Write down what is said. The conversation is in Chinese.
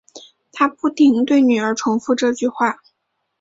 她不停对女儿重复这句话